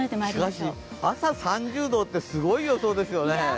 しかし、朝３０度ってすごい予想ですよね。